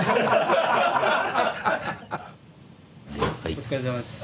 お疲れさまです。